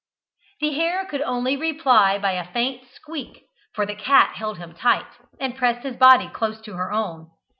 The hare could only reply by a faint squeak, for the cat held him tight, and pressed his body close to her own.